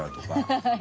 ハハハッ。